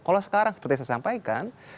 kalau sekarang seperti yang saya sampaikan